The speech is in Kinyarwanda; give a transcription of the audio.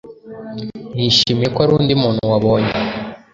nishimiye ko ari undi muntu wabonye